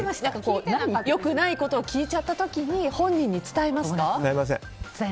良くないことを聞いちゃった時に本人に伝えますか？